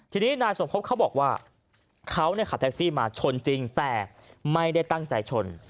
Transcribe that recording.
ทีนี้นายสมภพเขาบอกว่าเขาขับแท็กซี่มาชนจริงแต่ไม่ได้ตั้งใจชน